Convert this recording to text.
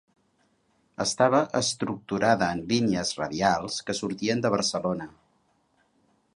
Estava estructurada en línies radials que sortien de Barcelona.